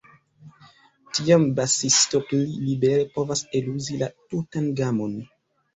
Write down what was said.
Tiam basisto pli libere povas eluzi la tutan gamon.